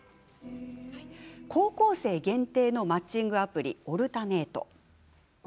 高校生限定のマッチングアプリ「オルタネート」。